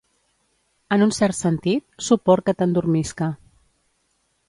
En un cert sentit, sopor que t'endormisca.